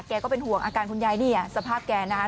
ก็เป็นห่วงอาการคุณยายนี่สภาพแกนะคะ